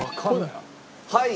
はい！